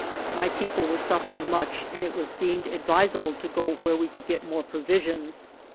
My people were suffering much and it was deemed advisable to go where we could get more provisions.